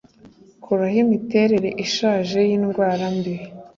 kuraho imiterere ishaje yindwara mbi,